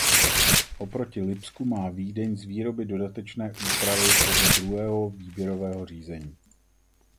Oproti "Lipsku" má "Vídeň" z výroby dodatečné úpravy podle druhého výběrového řízení.